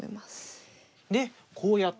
でこうやった。